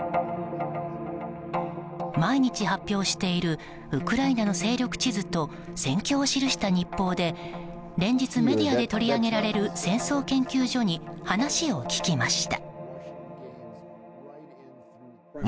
毎日、発表しているウクライナの勢力地図と戦況を記した日報で連日メディアで取り上げられる戦争研究所に話を聞きました。